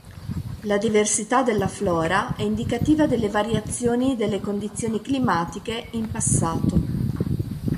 La diversità della flora è indicativa delle variazioni delle condizioni climatiche in passato.